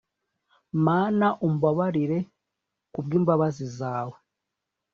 mana umbabarire ku bw imbabazi zawe